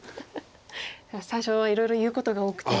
最初はいろいろ言うことが多くて。